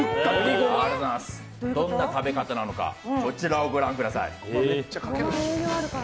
どんな食べ方なのかこちらをご覧ください。